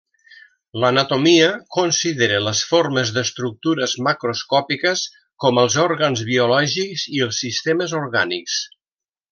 L'anatomia considera les formes d'estructures macroscòpiques com els òrgans biològics i els sistemes orgànics.